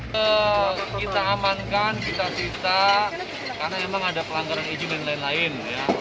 kita amankan kita sita karena memang ada pelanggaran izin dan lain lain